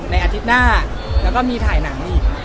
อาทิตย์หน้าแล้วก็มีถ่ายหนังอีก